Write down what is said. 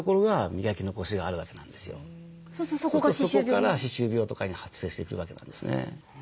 そうするとそこから歯周病とかに発生してくるわけなんですね。